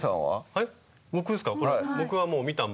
はい。